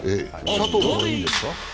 佐藤君はいいんですか？